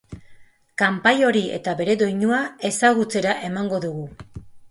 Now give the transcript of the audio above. Kanpai hori eta bere doinua ezagutzera emango dugu.